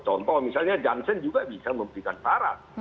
contoh misalnya johnson juga bisa memberikan syarat